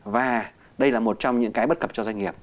và đây là một trong những cái bất cập cho doanh nghiệp